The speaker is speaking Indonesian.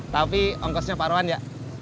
tapi ongkosnya pak arwan ya